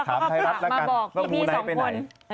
ถามไทยรัฐแล้วกันว่ามูไนท์ไปไหนแล้วเขากลับมาบอกพี่พี่สองคน